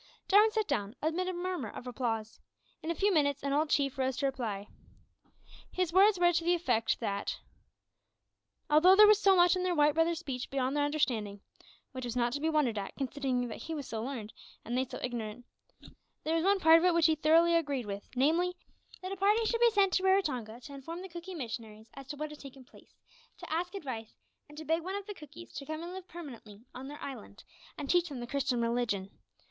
Jarwin sat down amid a murmur of applause. In a few minutes an old chief rose to reply. His words were to the effect that, although there was much in their white brother's speech beyond their understanding which was not to be wondered at, considering that he was so learned, and they so ignorant there was one part of it which he thoroughly agreed with, namely, that a party should be sent to Raratonga to inform the Cookee missionaries as to what had taken place, to ask advice, and to beg one of the Cookees to come and live permanently on their island, and teach them the Christian religion.